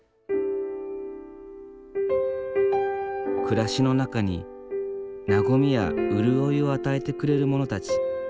暮らしの中に和みや潤いを与えてくれるものたち。